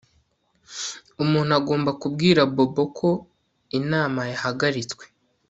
Umuntu agomba kubwira Bobo ko inama yahagaritswe